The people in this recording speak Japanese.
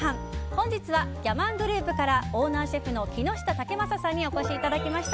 本日はギャマングループからオーナーシェフの木下威征さんにお越しいただきました。